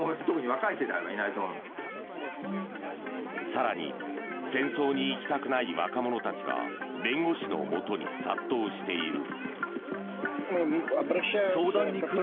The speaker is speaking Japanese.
更に戦争に行きたくない若者たちが弁護士のもとに殺到している。